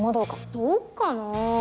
そっかなぁ。